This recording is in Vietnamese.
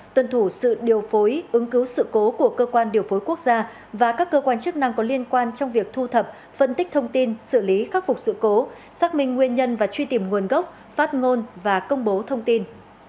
tuân thủ sự điều phối ứng cứu sự cố của cơ quan điều phối quốc gia và các cơ quan chức năng có liên quan trong việc thu thập phân tích thông tin xử lý khắc phục sự cố xác minh nguyên nhân và truy tìm nguồn gốc phát ngôn và công bố thông tin